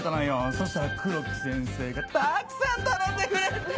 そしたら黒木先生がたくさん頼んでくれて！